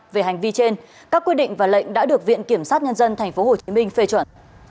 về hành vi trên các quy định và lệnh đã được viện kiểm sát nhân dân tp hcm phê chuẩn